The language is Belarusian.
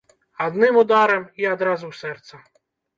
Адным ударам, і адразу ў сэрца.